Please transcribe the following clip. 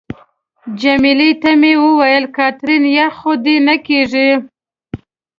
جميله ته مې وویل: کاترین، یخ خو دې نه کېږي؟